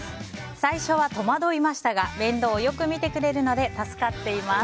最初は戸惑いましたが面倒をよく見てくれるので助かっています。